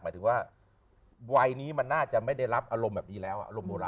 หมายถึงว่าอาจเกิดหยุดไม่ได้รับอารมณ์แบบนี้แล้ว